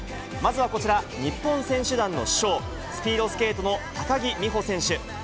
まずはこちら、日本選手団の主将、スピードスケートの高木美帆選手。